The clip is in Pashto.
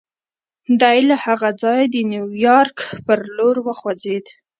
دی له هغه ځايه د نيويارک پر لور وخوځېد.